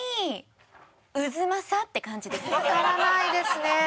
わからないですね。